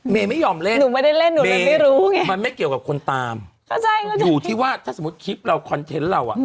เมย์ไม่ยอมเล่นเมย์มันไม่เกี่ยวกับคนตามอยู่ที่ว่าถ้าสมมุติคลิปเราคอนเทนต์เราอะ